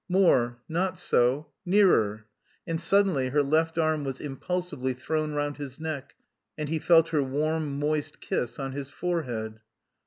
"More... not so... nearer," and suddenly her left arm was impulsively thrown round his neck and he felt her warm moist kiss on his forehead.